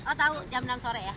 oh tahu jam enam sore ya